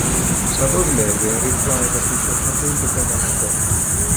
Safodd Mary ar ei thraed a cheisio cadw'i llygaid ar agor.